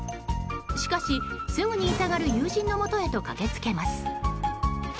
しかし、すぐに痛がる友人のもとへと駆け付けます。